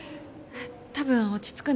多分落ち着くんで。